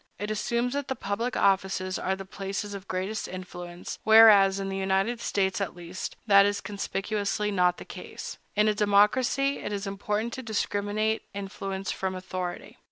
It assumes that the public offices are the places of greatest influence; whereas, in the United States, at least, that is conspicuously not the case. In a democracy, it is important to discriminate influence from authority.